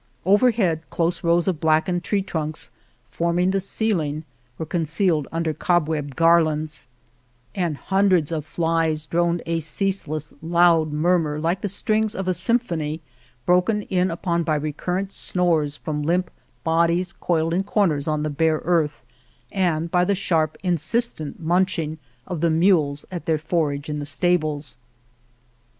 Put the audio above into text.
Overhead close rows of blackened tree trunks, forming the ceiling, were concealed under cobweb gar i8 'I •S I I Argamasilla lands, and Hundreds of flies droned a cease less, loud murmur like the strings of a symphony, broken in upon by recurrent snores from limp bodies coiled in corners on the bare earth and by the sharp, insistent munching of the mules at their forage in the stables.